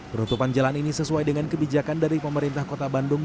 penutupan jalan ini sesuai dengan kebijakan dari pemerintah kota bandung